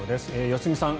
良純さん